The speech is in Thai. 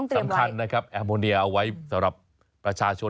สำคัญนะครับแอร์โมเนียเอาไว้สำหรับประชาชน